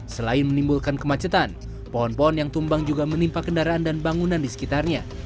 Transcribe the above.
selain menimbulkan kemacetan pohon pohon yang tumbang juga menimpa kendaraan dan bangunan di sekitarnya